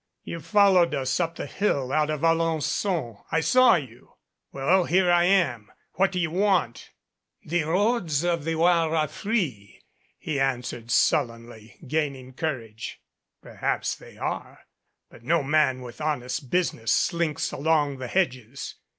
You followed us up the hill out of Alen9on. I saw you. Well, here I am. What do you want?" 216 THE EMPTY HOUSE "The roads of the Oire are free," he answered sul lenly, gaining courage. "Perhaps they are. But no man with honest business slinks along the hedges.